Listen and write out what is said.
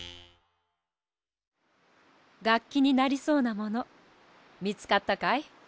がっきになりそうなものみつかったかい？